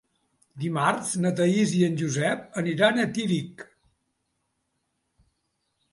Dimarts na Thaís i en Josep aniran a Tírig.